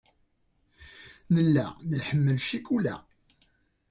Nella nḥemmel ccikula.